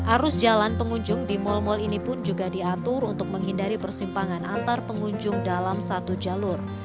arus jalan pengunjung di mal mal ini pun juga diatur untuk menghindari persimpangan antar pengunjung dalam satu jalur